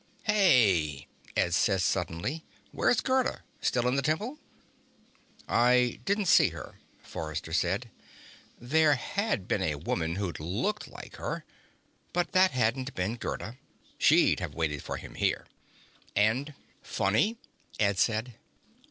"Hey," Ed said suddenly. "Where's Gerda? Still in the Temple?" "I didn't see her," Forrester said. There had been a woman who'd looked like her. But that hadn't been Gerda. She'd have waited for him here. And "Funny," Ed said.